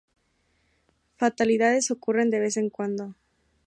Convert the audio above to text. Fatalidades ocurren de vez en cuando.